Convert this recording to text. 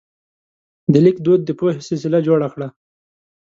د لیک دود د پوهې سلسله جوړه کړه.